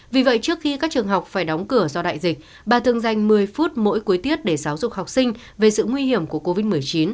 vì vậy trước khi các trường học phải đóng cửa do đại dịch bà thường dành một mươi phút mỗi cuối tiết để giáo dục học sinh về sự nguy hiểm của covid một mươi chín